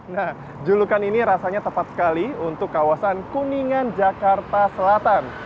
nah julukan ini rasanya tepat sekali untuk kawasan kuningan jakarta selatan